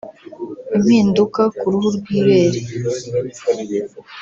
impinduka ku ruhu rw’ibere